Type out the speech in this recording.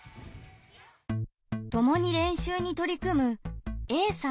ともに練習に取り組むＡさんとＢさん。